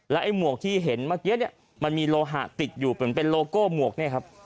และหมวกที่เห็นมักเกี้ยวนี้มันมีโลหะติดอยู่เป็นโลโก้หมวกนี่ครับ